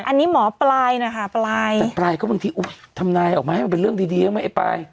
อันนี้หมอปลายนะคะปลายหมอปลายก็บางทีทำนายออกมาให้มันเป็นเรื่องดีดียังไม่ไป